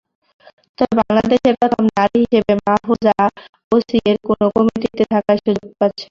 তবে বাংলাদেশের প্রথম নারী হিসেবে মাহফুজা ওসিএর কোনো কমিটিতে থাকার সুযোগ পাচ্ছেন।